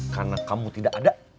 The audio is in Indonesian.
karena kamu tidak ada